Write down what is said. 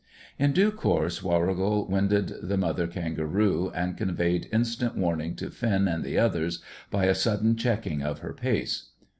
In due course Warrigal winded the mother kangaroo, and conveyed instant warning to Finn and the others by a sudden checking of her pace.